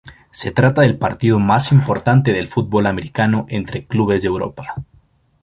Se trata del partido más importante del fútbol americano entre clubes de Europa.